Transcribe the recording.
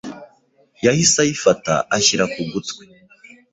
Yahise ayifata ashyira ku gutwi.